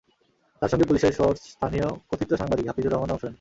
তাঁর সঙ্গে পুলিশের সোর্স স্থানীয় কথিত সাংবাদিক হাফিজুর রহমানও অংশ নেন।